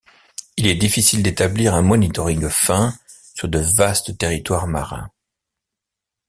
Il est difficile d'établir un monitoring fin sur de vastes territoires marins.